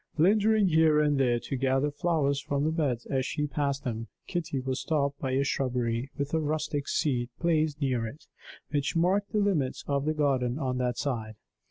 Lingering here and there to gather flowers from the beds as she passed them, Kitty was stopped by a shrubbery, with a rustic seat placed near it, which marked the limits of the garden on that side.